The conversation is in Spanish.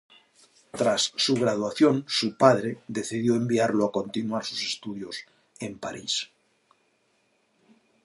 Tras su graduación su padre decidió enviarlo a continuar sus estudios en París.